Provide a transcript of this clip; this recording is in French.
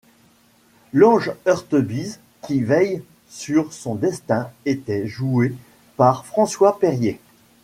L'ange Heurtebise qui veille sur son destin était joué par François Périer.